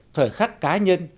thời khắc cá nhân